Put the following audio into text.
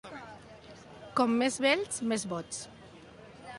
Com més vells, més boigs.